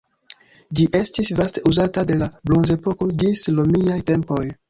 Ĝi estis vaste uzata de la bronzepoko ĝis romiaj tempoj.